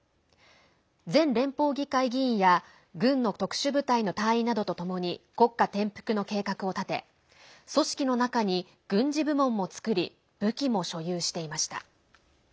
前連邦議会議員や軍の特殊部隊の隊員などとともに国家転覆の計画を立て組織の中に軍事部門も作り武器も所有していました。